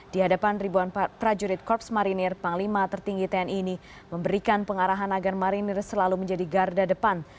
di hadapan ribuan prajurit korps marinir panglima tertinggi tni ini memberikan pengarahan agar marinir selalu menjadi garda depan